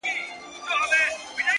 اوس مي د سپين قلم زهره چاودلې ـ